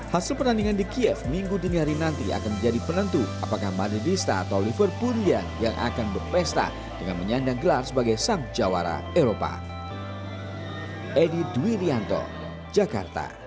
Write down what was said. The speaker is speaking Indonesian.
hasil pertandingan di kiev minggu dini hari nanti akan menjadi penentu apakah maritista atau liverpoolia yang akan berpesta dengan menyandang gelar sebagai sang jawara eropa